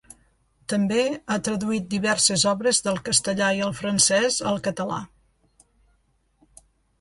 També ha traduït diverses obres del castellà i el francès al català.